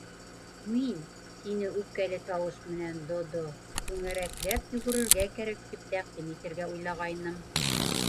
—Мин, —тине үпкәле тауыш менән Додо, —түңәрәкләп йүгерергә кәрәк тип тәҡдим итергә уйлағайным.